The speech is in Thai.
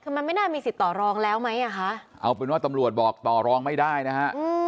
คือมันไม่น่ามีสิทธิ์ต่อรองแล้วไหมอ่ะคะเอาเป็นว่าตำรวจบอกต่อรองไม่ได้นะฮะ